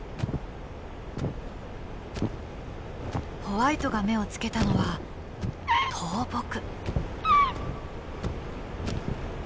ホワイトが目をつけたのは倒木。